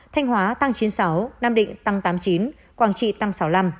thanh hóa tăng chín mươi sáu nam định tăng tám mươi chín quảng trị tăng sáu mươi năm